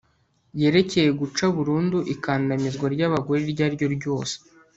yerekeye guca burundu ikandamizwa ry'abagore iryo ariryo ryose